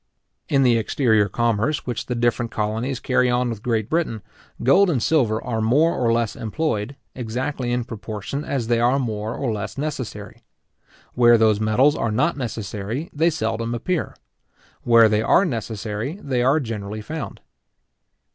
In the exterior commerce which the different colonies carry on with Great Britain, gold and silver are more or less employed, exactly in proportion as they are more or less necessary. Where those metals are not necessary, they seldom appear. Where they are necessary, they are generally found.